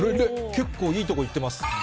結構いいとこいってます。